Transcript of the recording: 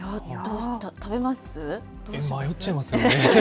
迷っちゃいますよね。